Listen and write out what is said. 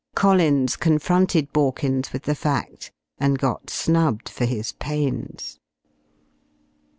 Collins confronted Borkins with the fact and got snubbed for his pains.